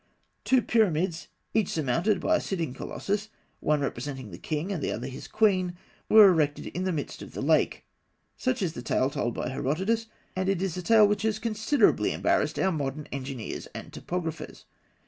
Two pyramids, each surmounted by a sitting colossus, one representing the king and the other his queen, were erected in the midst of the lake. Such is the tale told by Herodotus, and it is a tale which has considerably embarrassed our modern engineers and topographers.